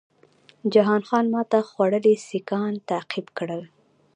جهان خان ماته خوړلي سیکهان تعقیب کړل.